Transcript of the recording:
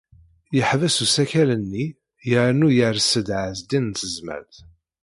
Yeḥbes usakal-nni yernu yers-d Ɛezdin n Tezmalt.